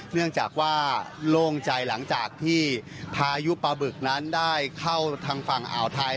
เนื่องจากว่าโล่งใจหลังจากที่พายุปลาบึกนั้นได้เข้าทางฝั่งอ่าวไทย